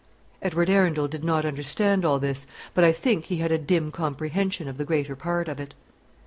Edward Arundel did not understand all this, but I think he had a dim comprehension of the greater part of it.